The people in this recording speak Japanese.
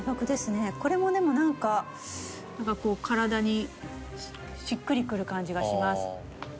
これもでもなんか体にしっくりくる感じがします。